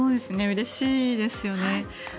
うれしいですよね。